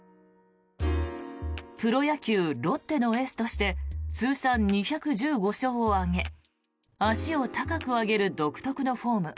プロ野球、ロッテのエースとして通算２１５勝を挙げ足を高く上げる独特のフォーム